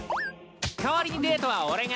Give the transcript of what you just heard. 代わりにデートは俺が。